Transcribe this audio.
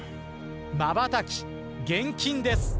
まばたき厳禁です。